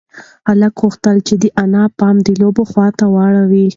هلک غوښتل چې د انا پام د لوبې خواته واړوي.